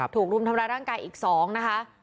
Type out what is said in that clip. รุมทำร้ายร่างกายอีก๒นะคะ